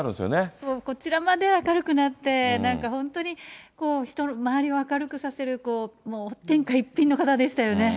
そう、こちらまで明るくなって、なんか本当にこう、周りを明るくさせる、天下一品の方でしたよね。